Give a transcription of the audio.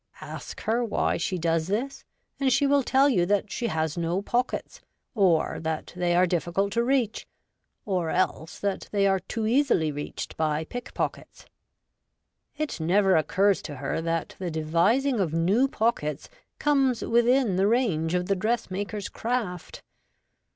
Ask her why she does this, and she will tell you that she has no pockets, or that they are difficult to reach, or else that they are too easily reached by pickpockets. It never occurs to her that the de vising of new pockets comes within the range of the dressmaker's craft.